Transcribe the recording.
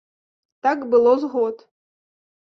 Так было з год.